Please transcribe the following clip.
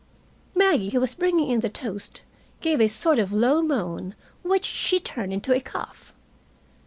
Maggie, who was bringing in the toast, gave a sort of low moan, which she turned into a cough.